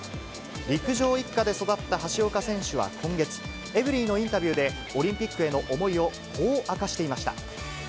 陸上一家で育った橋岡選手は今月、エブリィのインタビューで、オリンピックへの思いを、こう明かしていました。